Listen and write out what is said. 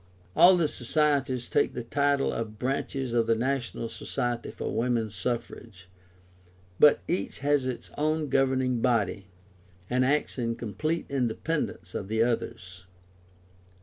All the Societies take the title of branches of the National Society for Women's Suffrage; but each has its own governing body, and acts in complete independence of the others.